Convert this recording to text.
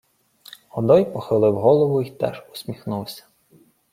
Годой похилив голову й теж усміхнувся.